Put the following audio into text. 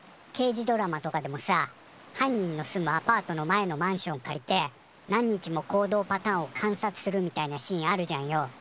けいじドラマとかでもさ犯人の住むアパートの前のマンション借りて何日も行動パターンを観察するみたいなシーンあるじゃんよ。